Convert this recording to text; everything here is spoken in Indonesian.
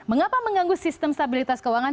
mengapa mengganggu sistem stabilitas keuangan